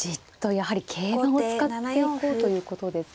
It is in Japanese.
やはり桂馬を使っていこうということですか？